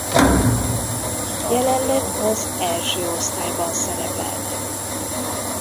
Jelenleg az első osztályban szerepelnek.